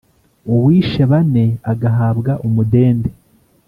uwishe bane agahabwa umudende